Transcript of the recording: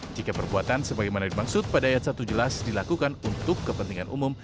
jika perbuatan sebagaimana dimaksud pada ayat satu jelas dilakukan untuk kepentingan umum